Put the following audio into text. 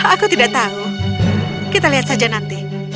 aku tidak tahu kita lihat saja nanti